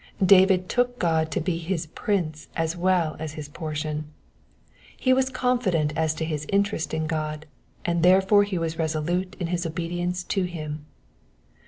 David took God to be his Prince as well as his Portion. He was confident as to his interest in God, and there fore he was resolute in his obedience to him.